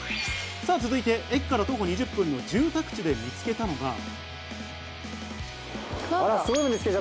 さぁ、続いて駅から徒歩２０分の住宅地で見つけたのが。